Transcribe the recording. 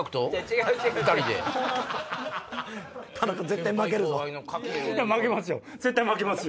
田中絶対負けるぞ。